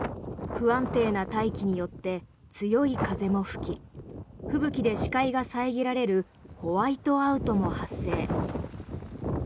不安定な大気によって強い風も吹き吹雪で視界が遮られるホワイトアウトも発生。